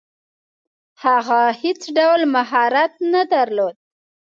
هغه هیڅ ډول مهارت نه درلود.